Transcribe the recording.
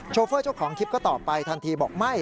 โฟเฟอร์เจ้าของคลิปก็ตอบไปทันทีบอกไม่